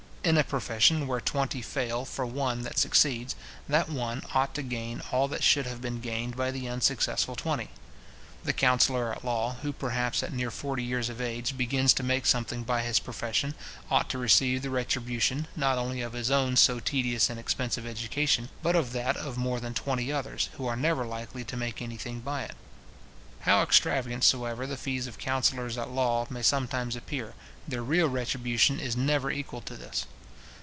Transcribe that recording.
In a profession, where twenty fail for one that succeeds, that one ought to gain all that should have been gained by the unsuccessful twenty. The counsellor at law, who, perhaps, at near forty years of age, begins to make something by his profession, ought to receive the retribution, not only of his own so tedious and expensive education, but of that of more than twenty others, who are never likely to make any thing by it. How extravagant soever the fees of counsellors at law may sometimes appear, their real retribution is never equal to this.